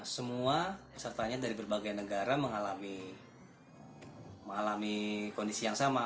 semua pesertanya dari berbagai negara mengalami kondisi yang sama